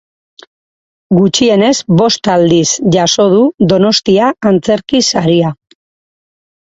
Gutxienez bost aldiz jaso du Donostia Antzerki Saria.